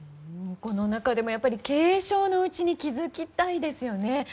この中でも軽症のうちに気づきたいですね。